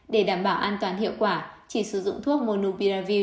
để đảm bảo an toàn hiệu quả chỉ sử dụng thuốc monubiravil